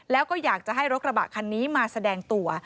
แล้วก็อยากจะให้รถกระบะคันนี้มาแสดงตัว